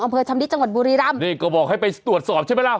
อำเภอชำที่จังหวัดบุรีรำนี่ก็บอกให้ไปตรวจสอบใช่ไหมล่ะ